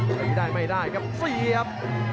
ตีได้ไม่ได้ครับเสียบ